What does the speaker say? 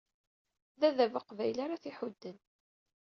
D adabu aqbayli ara t-iḥudden.